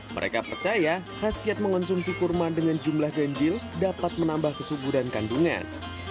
mereka percaya khasiat mengonsumsi kurma dengan jumlah ganjil dapat menambah kesuburan kandungan